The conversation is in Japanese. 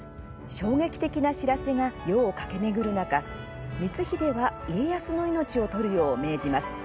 衝撃的な知らせが世を駆け巡る中光秀は家康の命を取るよう命じます。